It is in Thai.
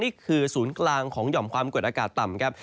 นี่คือศูนย์กลางของหย่อมความกดอากาศต่ำครับ